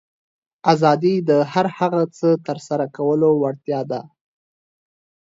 آزادي د هر هغه څه ترسره کولو وړتیا ده.